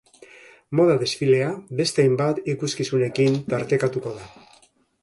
Moda desfilea beste hainbat ikuskizunekin tartekatuko da.